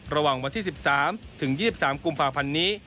ระหว่างวันที่๑๓ถึง๒๓กุมภาพันธ์นี้